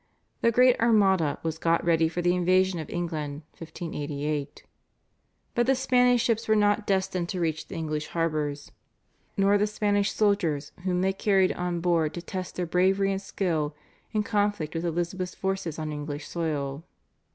The great Armada was got ready for the invasion of England (1588). But the Spanish ships were not destined to reach the English harbours, nor the Spanish soldiers whom they carried on board to test their bravery and skill in conflict with Elizabeth's forces on English soil.